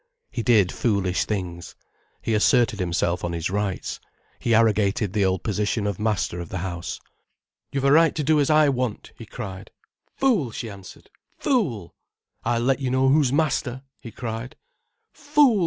He did foolish things. He asserted himself on his rights, he arrogated the old position of master of the house. "You've a right to do as I want," he cried. "Fool!" she answered. "Fool!" "I'll let you know who's master," he cried. "Fool!"